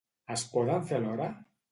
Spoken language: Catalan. Es poden fer alhora?